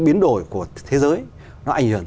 biến đổi của thế giới nó ảnh hưởng